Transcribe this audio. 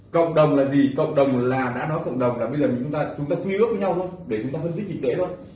cộng đồng là gì cộng đồng là đã nói cộng đồng là bây giờ chúng ta quy ước với nhau thôi để chúng ta phân tích trình tế thôi